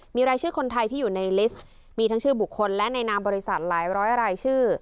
มีรายชื่อคนไทยที่อยู่ในลิสต์มีทั้งชื่อบุคคลและในนามบริษัทหลายร้อยรายชื่อ